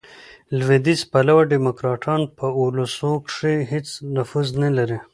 لوېدیځ پلوه ډیموکراټان، په اولسو کښي هیڅ نفوذ نه لري.